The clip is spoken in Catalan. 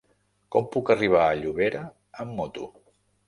Com puc arribar a Llobera amb moto?